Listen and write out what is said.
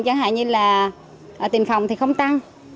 chẳng hạn như là tiền phòng thì không tăng